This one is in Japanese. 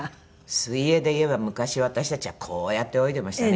水泳でいえば昔私たちはこうやって泳いでましたね